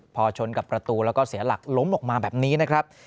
พอชนกับประตูแล้วก็เสียหลักล้มออกมาแบบนี้นะครับ